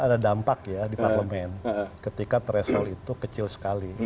ada dampak ya di parlemen ketika threshold itu kecil sekali